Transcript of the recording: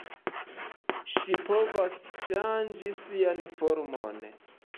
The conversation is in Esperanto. Ŝi povas ŝanĝi sian formon.